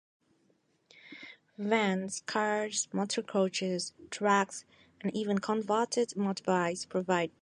Vans, cars, motor coaches, trucks, and even converted motorbikes provide paid transport.